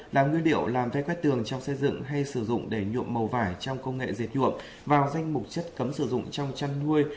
là nguyên điệu làm vé quét tường trong xây dựng hay sử dụng để nhuộm màu vải trong công nghệ dệt nhuộm vào danh mục chất cấm sử dụng trong chăn nuôi